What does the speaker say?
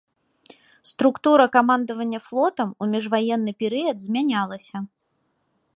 Структура камандавання флотам у міжваенны перыяд змянялася.